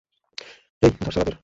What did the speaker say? হেই, ধর শালাদের।